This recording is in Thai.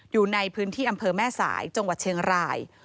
อยู่ในพื้นที่อำเภอแม่สายจังหวัดเชียงราย